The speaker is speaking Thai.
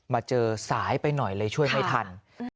มาเจอสายไปหน่อยเลยช่วยไม่ทัน